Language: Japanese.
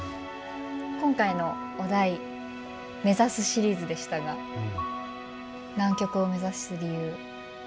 今回のお題目指すシリーズでしたが南極を目指す理由感じられましたか？